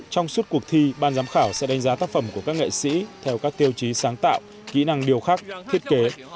trong suốt cuộc thi ban giám khảo sẽ đánh giá tác phẩm của các nghệ sĩ theo các tiêu chí sáng tạo kỹ năng điều khắc thiết kế